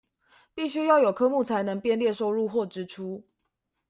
必須要有科目才能編列收入或支出